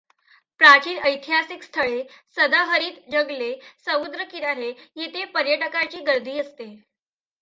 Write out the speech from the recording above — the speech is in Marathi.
प्राचीन ऐतिहासिक स्थळे, सदाहरित जंगले, समुद्रकिनारे येथे पर्यटकांची गर्दी असते.